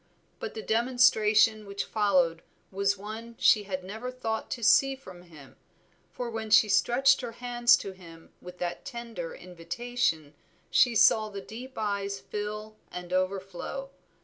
But the demonstration which followed was one she had never thought to see from him, for when she stretched her hands to him with that tender invitation, she saw the deep eyes fill and overflow.